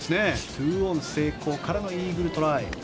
２オン成功からのイーグルトライ。